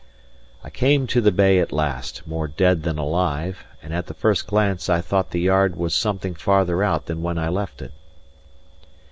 I came to the bay at last, more dead than alive; and at the first glance, I thought the yard was something farther out than when I left it.